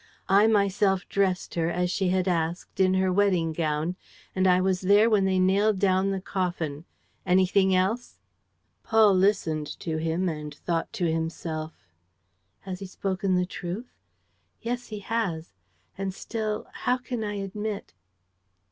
I myself dressed her, as she had asked, in her wedding gown; and I was there when they nailed down the coffin. Anything else?" Paul listened to him and thought to himself: "Has he spoken the truth? Yes, he has; and still how can I admit